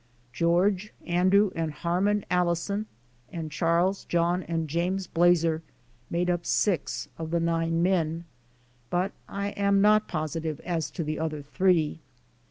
George, Andrew and Harmon Allison and Charles, John and James Blazer made up six of the nine men, but I am not positive as to the other three.